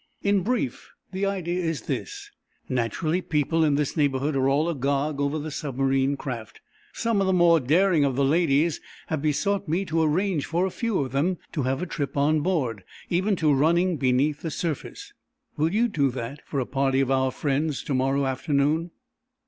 "In brief, the idea is this: Naturally people in this neighborhood are all agog over this submarine craft. Some of the more daring of the ladies have besought me to arrange for a few of them to have a trip on board, even to running beneath the surface. Will you do that, for a party of our friends, to morrow afternoon?"